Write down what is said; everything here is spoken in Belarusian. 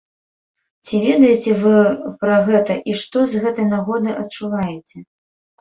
Ці ведаеце вы пра гэта і што з гэтай нагоды адчуваеце?